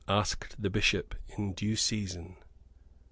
asked the Bishop, in due season.